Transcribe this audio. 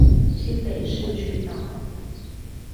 新北市區道